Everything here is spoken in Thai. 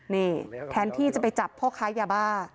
นี่แทนที่จะไปจับพ่อค้ายาบ้า